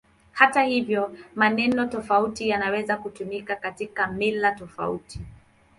Hata hivyo, maneno tofauti yanaweza kutumika katika mila tofauti.